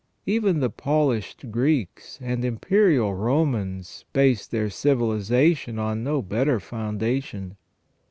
Even the polished Greeks and imperial Romans based their civilization on no better foundation.